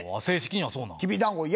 正式にはそうなん？